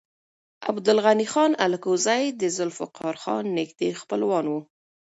عبدالغني خان الکوزی د ذوالفقار خان نږدې خپلوان و.